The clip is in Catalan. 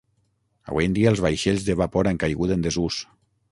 Avui en dia els vaixells de vapor han caigut en desús.